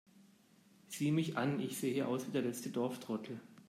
Sieh mich an, ich sehe aus wie der letzte Dorftrottel!